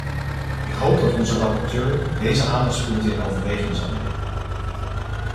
Ik hoop dat onze rapporteur deze aandachtspunten in overweging zal nemen.